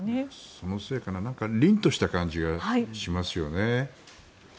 そのせいか凛とした感じがしますよね。